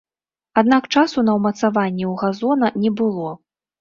Аднак часу на ўмацаванне ў газона не было.